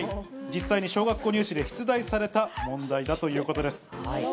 実際に小学校入試で出題された問題だということです。